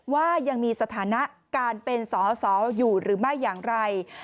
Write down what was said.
ว่ายังมีสถานะการเป็นสอสออยู่หรือไม่อย่างไร